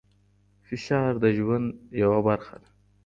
فشار د ژوند یوه برخه ده.